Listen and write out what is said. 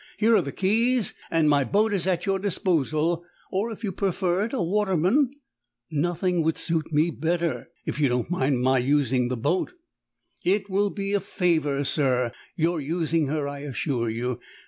Here are the keys, and my boat is at your disposal; or, if you prefer it, a waterman " "Nothing would suit me better, if you don't mind my using the boat." "It will be a favour, sir, your using her, I assure you.